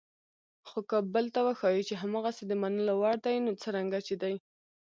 خو که بل ته وښایئ چې هماغسې د منلو وړ دي څرنګه چې دي.